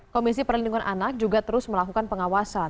komisi perlindungan anak juga terus melakukan pengawasan